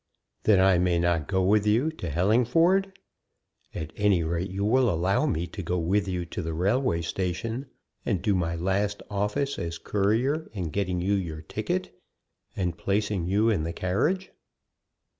"Then I may not go with you to Hellingford? At any rate, you will allow me to go with you to the railway station, and do my last office as courier in getting you your ticket and placing you in the carriage."